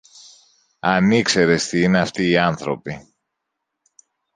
Αν ήξερες τι είναι αυτοί οι άνθρωποι!